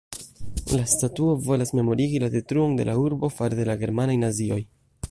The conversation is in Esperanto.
La statuo volas memorigi la detruon de la urbo fare de la germanaj nazioj.